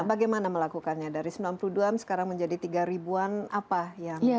nah bagaimana melakukannya dari sembilan puluh dua ukm sekarang menjadi tiga ribu an apa yang resepnya